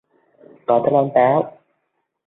tôi thích bánh táo